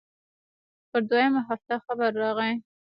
پر دويمه هفته خبر راغى.